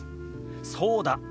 そうだ。